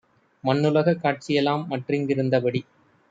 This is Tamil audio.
மண்ணுலகக் காட்சிஎலாம் மற்றிங் கிருந்தபடி